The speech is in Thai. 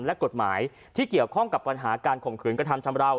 และกฎหมายที่เกี่ยวข้องกับปัญหาการข่มขืนกระทำชำราว